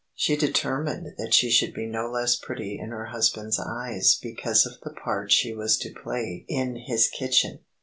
She determined that she should be no less pretty in her husband's eyes because of the part she was to play in his kitchen.